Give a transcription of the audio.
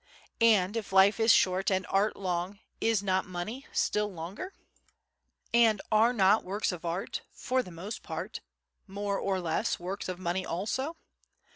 And if life is short and art long, is not money still longer? And are not works of art, for the most part, more or less works of money also?